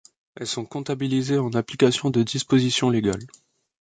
Elles sont comptabilisées en application de dispositions légales.